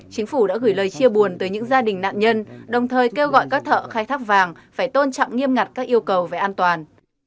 chính phủ đã gửi lời chia buồn tới những gia đình nạn nhân đồng thời kêu gọi các thợ khai thác vàng phải tôn trọng nghiêm ngặt các yêu cầu về an toàn